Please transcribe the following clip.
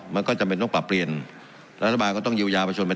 มันก็จำเป็นต้องปรับเปลี่ยนรัฐบาลก็ต้องเยียวยาประชาชนไป